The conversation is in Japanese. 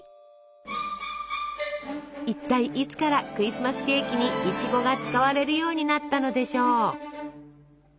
いったいいつからクリスマスケーキにいちごが使われるようになったのでしょう？